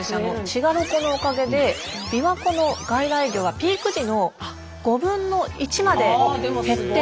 滋賀ロコのおかげでびわ湖の外来魚がピーク時の５分の１まで減っているんですね。